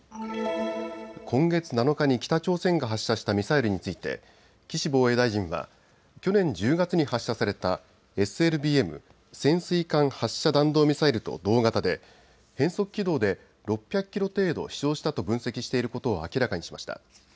今月７日に北朝鮮が発射したミサイルについて岸防衛大臣は去年１０月に発射されたＳＬＢＭ・潜水艦発射弾道ミサイルと同型で変則軌道で６００キロ程度飛しょうしたと分析していることを明らかにしました。